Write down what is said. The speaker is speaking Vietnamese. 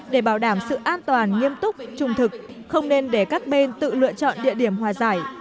để bảo đảm sự an toàn nghiêm túc trung thực không nên để các bên tự lựa chọn địa điểm hòa giải